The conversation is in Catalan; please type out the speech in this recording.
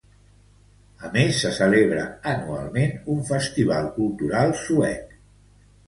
A més, se celebra anualment un festival cultural suec.